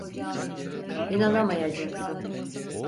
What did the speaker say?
İnanamayacaksın.